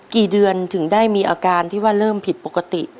กี่เดือนถึงได้มีอาการที่ว่าเริ่มผิดปกติ